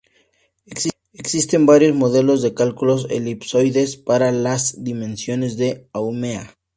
Existen varios modelos de cálculos elipsoides para las dimensiones de Haumea.